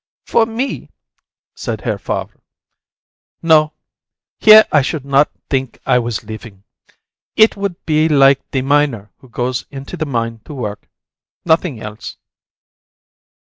"For me," said Herr Favre, "no. Here I should not think I was living. It would be like the miner who goes into the mine to work; nothing else."